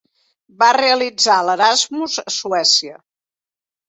Va realitzar l'Erasmus a Suècia.